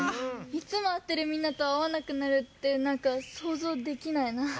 いつもあってるみんなとあわなくなるってなんかそうぞうできないな。